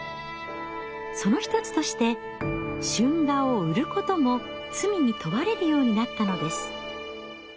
その一つとして春画を売ることも罪に問われるようになったのです。